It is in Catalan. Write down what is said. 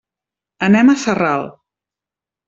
Anem a Sarral.